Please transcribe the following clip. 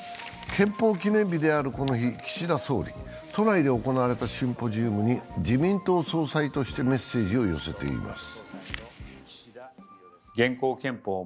憲法記念日であるこの日、岸田総理、都内で行われたシンポジウムに自民党総裁としてメッセージを寄せています。